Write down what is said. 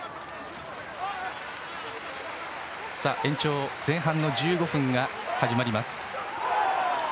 延長前半の１５分が始まります。